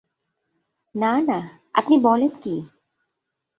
না না, আপনি বলেন কী!